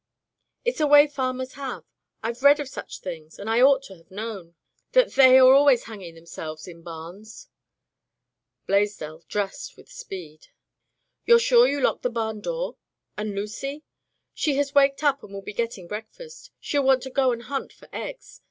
'* "It's a way f farmers have. Fve read of such things, and I ought to have known. Th they are always hanging themselves in barns." Blaisdell dressed with speed. [ 334 ] Digitized by LjOOQ IC Turned Out to Grass "You're sure you locked the barn door? And Lucy?" "She has waked up and will be getting breakfast. She'll want to go and hunt for eggs."